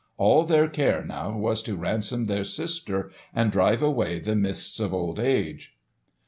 All their care now was to ransom their sister and drive away the mists of old age.